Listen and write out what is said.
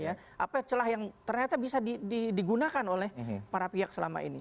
apa celah yang ternyata bisa digunakan oleh para pihak selama ini